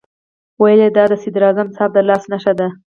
ویل یې دا د صدراعظم صاحب د لاس نښه ده.